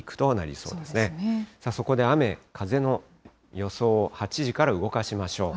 そこで雨、風の予想を８時から動かしましょう。